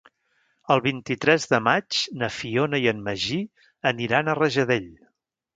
El vint-i-tres de maig na Fiona i en Magí aniran a Rajadell.